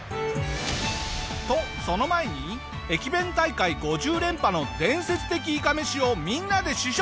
とその前に駅弁大会５０連覇の伝説的いかめしをみんなで試食！